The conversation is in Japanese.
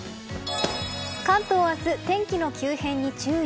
関東、明日天気の急変に注意。